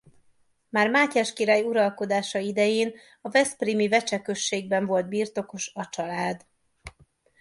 Már Mátyás király uralkodása idején a veszprémi Vecse községben volt birtokos a család.